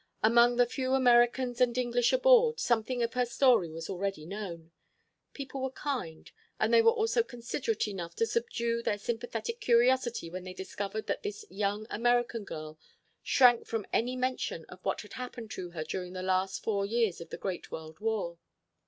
Among the few Americans and English aboard, something of her story was already known. People were kind; and they were also considerate enough to subdue their sympathetic curiosity when they discovered that this young American girl shrank from any mention of what had happened to her during the last four years of the Great World War.